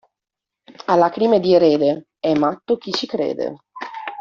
A lacrime di erede è matto chi ci crede.